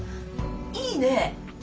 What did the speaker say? いいねぇ！